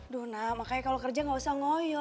duh makanya kalau kerja nggak usah ngoyo